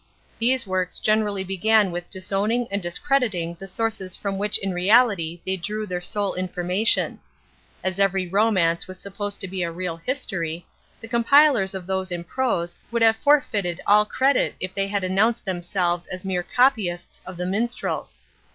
These works generally began with disowning and discrediting the sources from which in reality they drew their sole information. As every romance was supposed to be a real history, the compilers of those in prose would have forfeited all credit if they had announced themselves as mere copyists of the minstrels.